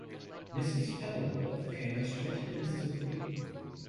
Mr. Pappleworth came at twenty minutes to three.